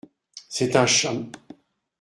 C’est un cham…